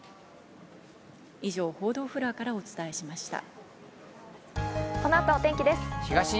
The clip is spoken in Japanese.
以上、報道フロアからお伝えしました。